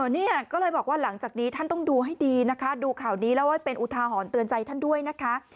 เนี่ยก็เลยบอกว่าหลังจากนี้ท่านต้องดูให้ดีนะคะดูข่าวนี้แล้วไว้เป็นอุทาหรณ์เตือนใจท่านด้วยนะคะ